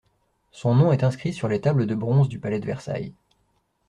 Son nom est inscrit sur les tables de bronze du palais de Versailles.